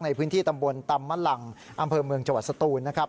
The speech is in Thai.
ในพื้นที่ตำบลตำมะลังอำเภอเมืองจังหวัดสตูนนะครับ